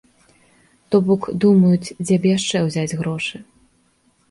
То бок, думаюць, дзе б яшчэ ўзяць грошы.